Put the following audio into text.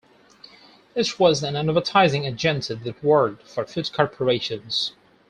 It was an advertising agency that worked for food corporations.